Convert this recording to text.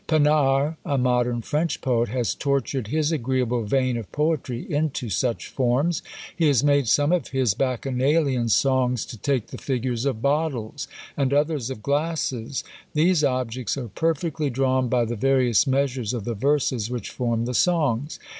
Pannard, a modern French poet, has tortured his agreeable vein of poetry into such forms. He has made some of his Bacchanalian songs to take the figures of bottles, and others of glasses. These objects are perfectly drawn by the various measures of the verses which form the songs.